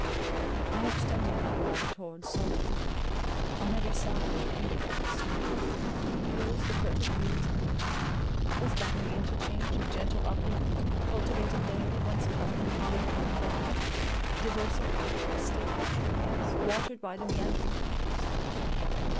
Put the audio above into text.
I extended my ride towards Salt Hill, on every side impeded by the snow. Were those the fertile fields I loved—was that the interchange of gentle upland and cultivated dale, once covered with waving corn, diversified by stately trees, watered by the meandering Thames?